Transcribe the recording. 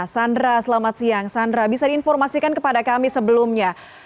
sandra selamat siang sandra bisa diinformasikan kepada kami sebelumnya